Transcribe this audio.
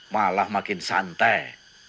malah makin santai